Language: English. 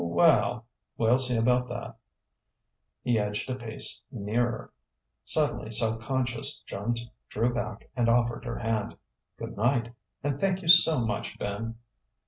"Wel l, we'll see about that." He edged a pace nearer. Suddenly self conscious, Joan drew back and offered her hand. "Good night and thank you so much, Ben."